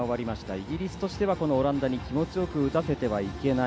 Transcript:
イギリスとしては、オランダに気持ちよく打たせてはいけない。